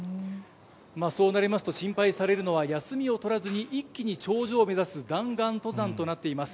そうなりますと、心配されるのは、休みを取らずに、一気に頂上を目指す弾丸登山となっています。